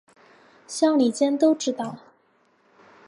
乡里间都知道